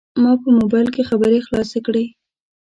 ما په موبایل خبرې خلاصې کړې.